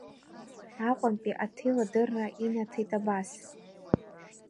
Аҟәантәи аҭел адырра инаҭеит абас…